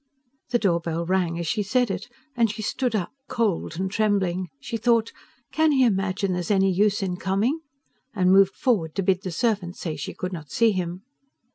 The door bell rang as she said it, and she stood up, cold and trembling. She thought: "Can he imagine there's any use in coming?" and moved forward to bid the servant say she could not see him.